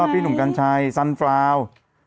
พี่หนุ่มกัญชัยสันฟราว